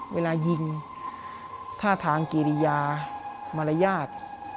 เวลายิงท่าทางกิริยามารยาท